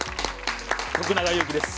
徳永ゆうきです。